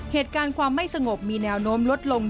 เหตุการณ์ความไม่สงบมีแนวโน้มลดลง